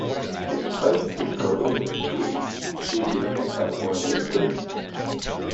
Despite discovering the truth, she did not apologize to him.